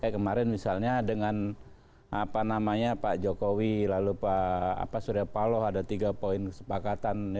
kemarin misalnya dengan pak jokowi lalu pak surya paloh ada tiga poin kesepakatan